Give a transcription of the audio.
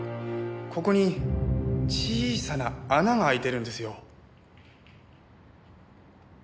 ここに小さな穴が開いてるんですよ。